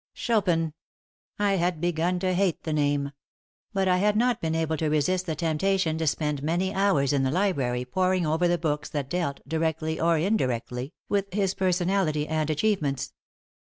Chopin! I had begun to hate the name. But I had not been able to resist the temptation to spend many hours in the library poring over the books that dealt, directly or indirectly, with his personality and achievements.